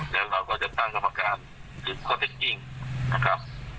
แล้วเราก็จะตั้งกรรมการสืบข้อเท็จจริงนะครับ